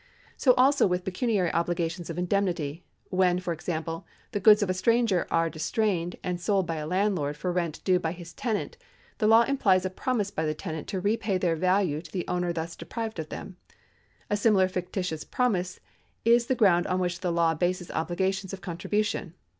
So also with pecuniary obhgations of indemnity ; when, for example, the goods of a stranger are distrained and sold by a landlord for rent due by his tenant, the law implies a promise by the tenant to repay their value to the owner thus deprived of them.i A similar fictitious promise is the ground on which the law bases obligations of contribution.